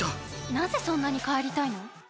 「なぜそんなに帰りたいの？」